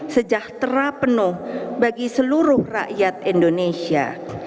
sejahtera penuh bagi seluruh rakyat indonesia